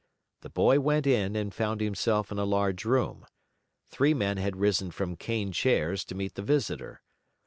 The boy went in, and found himself in a large room. Three men had risen from cane chairs to meet the visitor.